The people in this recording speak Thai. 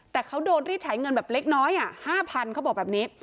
แต่เขาโดนรีดไถเงินแบบเล็กน้อย๕๐๐เขาบอกแบบนี้